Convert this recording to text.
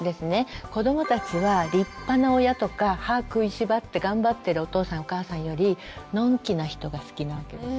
子どもたちは立派な親とか歯をくいしばって頑張ってるお父さんお母さんよりのんきな人が好きなわけです。